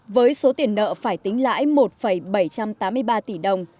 với số tiền nợ phải tính lãi một bảy trăm tám mươi ba tỷ đồng